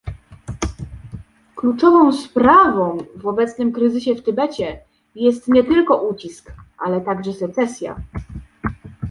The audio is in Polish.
Kluczową sprawą w obecnym kryzysie w Tybecie jest nie tylko ucisk, ale także secesja